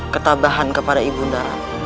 ketabahan kepada ibunda